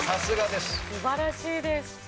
素晴らしいです。